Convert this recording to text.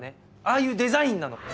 ああいうデザインなの！